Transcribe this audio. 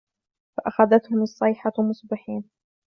فَأَخَذَتْهُمُ الصَّيْحَةُ مُصْبِحِينَ